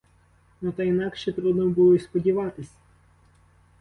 Ну, та інакше трудно було й сподіватись.